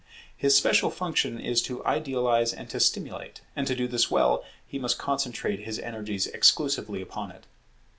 His special function is to idealize and to stimulate; and to do this well, he must concentrate his energies exclusively upon it.